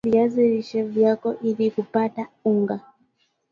saga viazi lishe vyako ili kupAata unga